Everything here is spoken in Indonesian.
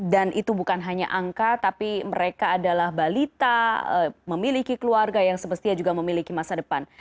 dan itu bukan hanya angka tapi mereka adalah balita memiliki keluarga yang semestinya juga memiliki masa depan